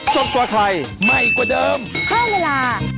สวัสดีค่ะ